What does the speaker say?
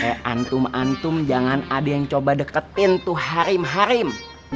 kayak antum antum jangan ada yang coba deketin tuh harim harim